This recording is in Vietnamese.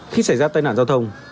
khi xảy ra tai nạn giao thông